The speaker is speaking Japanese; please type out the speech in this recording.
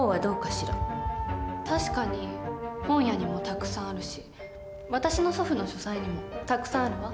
確かに本屋にもたくさん有るし私の祖父の書斎にもたくさん有るわ。